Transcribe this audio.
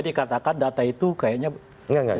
dikatakan data itu kayaknya